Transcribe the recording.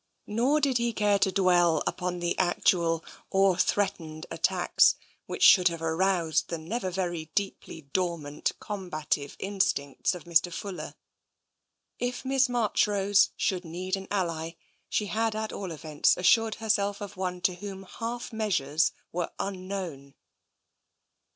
Nor did he care to dwell upon the actual or threatened attacks which should have aroused the never very deeply dormant combative in stincts of Mr. Fuller. If Miss Marchrose should need an ally, she had at all events assured herself of one to whom half measures were unknown.